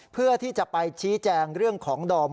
เพื่อที่จะไปชี้แจงเรื่องของดม